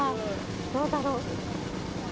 どうだろう？